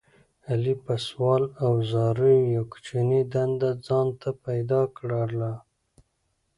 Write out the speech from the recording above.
علي په سوال او زاریو یوه کوچنۍ دنده ځان ته پیدا کړله.